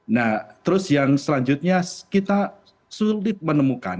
nah terus yang selanjutnya kita sulit menemukan